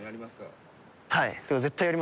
はい。